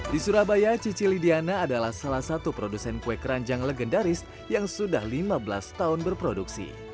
di surabaya cici lidiana adalah salah satu produsen kue keranjang legendaris yang sudah lima belas tahun berproduksi